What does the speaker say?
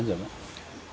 bagaimana aja pak